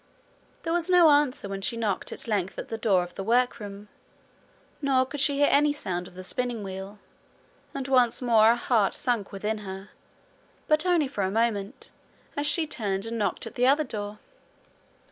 There was no answer when she knocked at length at the door of the workroom, nor could she hear any sound of the spinning wheel, and once more her heart sank within her, but only for one moment, as she turned and knocked at the other door.